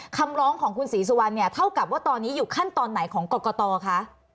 คำร้องของคุณศรีสุวรรณเนี่ยเท่ากับว่าตอนนี้อยู่ขั้นตอนไหนของกรกตคะ